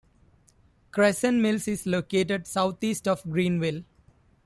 Crescent Mills is located southeast of Greenville.